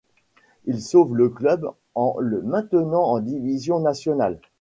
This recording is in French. Il sauve le club en le maintenant en Division Nationale.